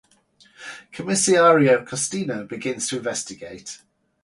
Commissario Castanio begins to investigate.